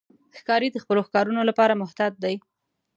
ښکاري د خپلو ښکارونو لپاره محتاط دی.